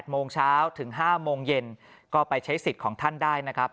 โมงเช้าถึง๕โมงเย็นก็ไปใช้สิทธิ์ของท่านได้นะครับ